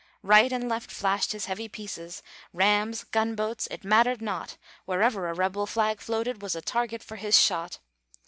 Right and left flashed his heavy pieces, Rams, gunboats it mattered not; Wherever a rebel flag floated Was a target for his shot.